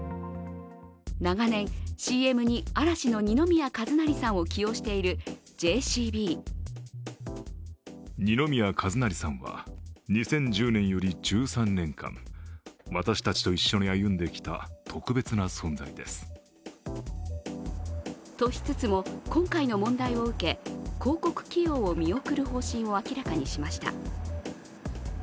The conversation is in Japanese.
長年、ＣＭに嵐の二宮和也さんを起用しているＪＣＢ。としつつも、今回の問題を受け、広告起用を見送る方針を明らかにしました。